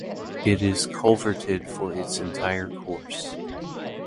It is culverted for its entire course.